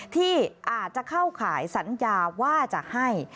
ที่อาจจะเข้าข่ายสัญญาว่าจะให้